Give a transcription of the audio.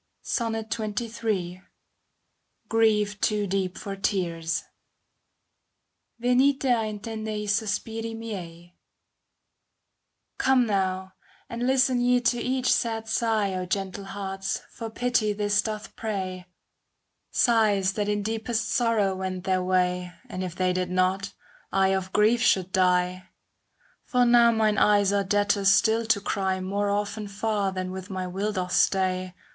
SONNET XXIII lll ^'^) GRIEF TOO DEEP FOR TEARS Venhe a intender gli sospiri miei Come now, and listen ye to each sad sigh, O gentle hearts, for pity this doth pray; Sighs that in deepest sorrow wend their way. And if they did not, I of grief should die. For now mine eyes are debtors still to cry ^ More often far than with my will doth stay.